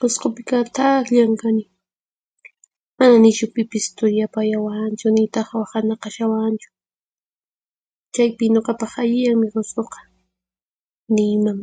Qusqupiqa thaqllan kani, mana nishu pipis turiyapayawanchu nitaq wahanaqashawanchu. Chaypi nuqapaq allillanmi Qusquqa, niyman.